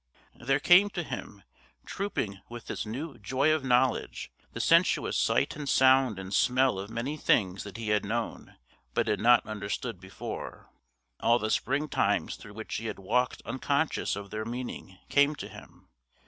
There came to him, trooping with this new joy of knowledge, the sensuous sight and sound and smell of many things that he had known, but had not understood, before. All the spring times through which he had walked unconscious of their meaning, came to him.